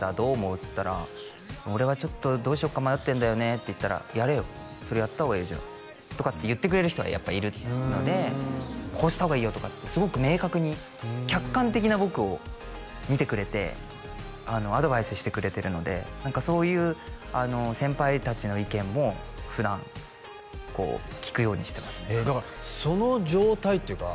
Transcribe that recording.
っつったら「俺はちょっとどうしよっか迷ってんだよね」って言ったら「やれよそれやった方がいいよ淳」とかって言ってくれる人はやっぱいるので「こうした方がいいよ」とかってすごく明確に客観的な僕を見てくれてアドバイスしてくれてるので何かそういう先輩達の意見も普段聞くようにしてますねだからその状態っていうか